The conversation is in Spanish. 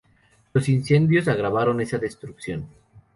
Los incendios agravaron esa destrucción.